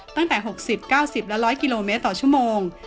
ตั้งแต่๖๐๙๐และ๑๐๐กิโลเมตรต่อชั่วโมง